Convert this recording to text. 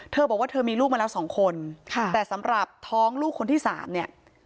เธอบอกว่าเธอมีลูกมาแล้วสองคนค่ะแต่สำหรับท้องลูกคนที่สามเนี่ย